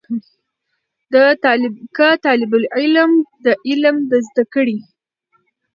که طالب العلم د علم د زده کړې